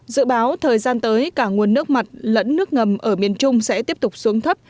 dự báo thời gian tới cả nguồn nước mặt lẫn nước ngầm ở miền trung sẽ tiếp tục xuống thấp